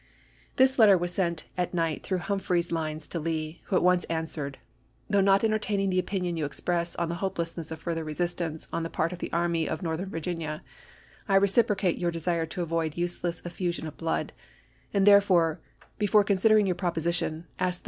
This letter was sent at night through Humphreys's lines to Lee, who at once answered :" Though not entertaining the opinion you express on the hope lessness of further resistance on the part of the Army of Northern Virginia, I reciprocate your de sire to avoid useless effusion of blood, and there fore, before considering your proposition, ask the ibid.